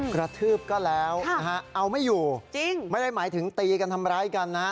กระทืบก็แล้วนะฮะเอาไม่อยู่จริงไม่ได้หมายถึงตีกันทำร้ายกันนะฮะ